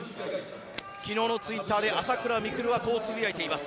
昨日のツイッターで朝倉未来はこうつぶやいています。